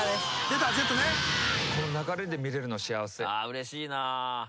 うれしいなあ。